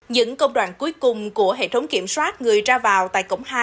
những công đoạn cuối cùng của hệ thống kiểm soát người ra vào tại cổng hai